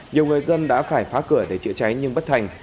nhiều người dân đã phải phá cửa để chữa cháy nhưng bất thành